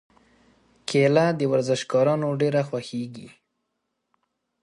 کېله د ورزشکارانو ډېره خوښېږي.